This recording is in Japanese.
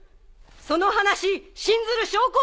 その話信ずる証拠は？